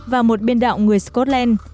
và một biên đạo người scotland